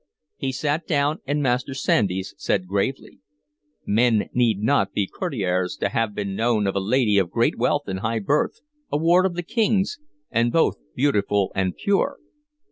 He sat down, and Master Sandys said gravely: "Men need not be courtiers to have known of a lady of great wealth and high birth, a ward of the King's, and both beautiful and pure.